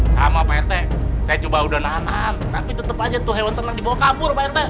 sama pak rt saya coba udah nanan tapi tetep aja tuh hewan tenang dibawa kabur pak rt